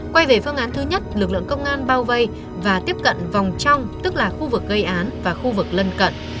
quay về phương án thứ nhất lực lượng công an bao vây và tiếp cận vòng trong tức là khu vực gây án và khu vực lân cận